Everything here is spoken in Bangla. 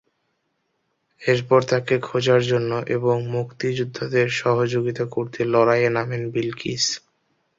এরপর তাঁকে খোঁজার জন্য এবং মুক্তিযোদ্ধাদের সহযোগিতা করতে লড়াইয়ে নামেন বিলকিস।